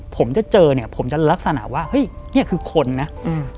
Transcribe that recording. ผมจะเจอเนี้ยผมจะลักษณะว่าเฮ้ยเนี้ยคือคนนะอืม